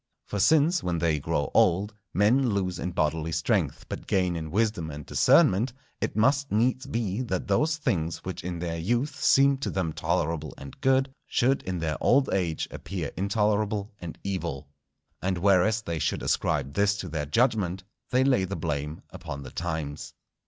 For since, when they grow old, men lose in bodily strength but gain in wisdom and discernment, it must needs be that those things which in their youth seemed to them tolerable and good, should in their old age appear intolerable and evil. And whereas they should ascribe this to their judgment, they lay the blame upon the times.